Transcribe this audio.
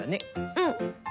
うん。